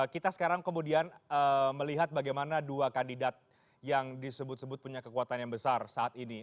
kita sekarang kemudian melihat bagaimana dua kandidat yang disebut sebut punya kekuatan yang besar saat ini